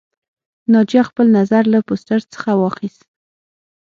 ناجیه خپل نظر له پوسټر څخه واخیست